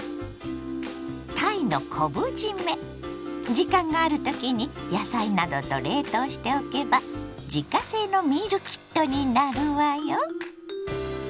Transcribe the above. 時間がある時に野菜などと冷凍しておけば自家製のミールキットになるわよ。